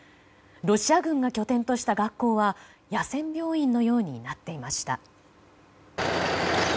ロシア軍が拠点とした学校は野戦病院のようになっていました。